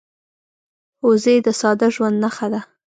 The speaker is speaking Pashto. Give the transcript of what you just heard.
وزې د ساده ژوند نښه ده